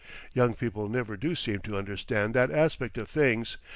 Young people never do seem to understand that aspect of things.